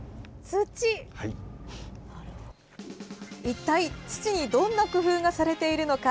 一体、土にどんな工夫がされているのか？